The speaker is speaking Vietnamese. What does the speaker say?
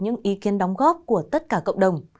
những ý kiến đóng góp của tất cả cộng đồng